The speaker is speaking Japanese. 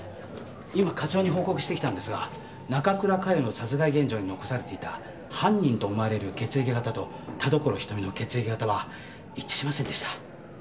今課長に報告してきたんですが中倉佳世の殺害現場に残されていた犯人と思われる血液型と田所瞳の血液型は一致しませんでした。